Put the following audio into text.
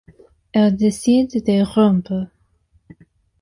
Elle décide de rompre.